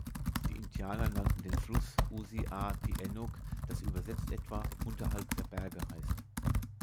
Die Indianer nannten den Fluss "Usi-a-di-enuk", das übersetzt etwa "unterhalb der Berge" heißt.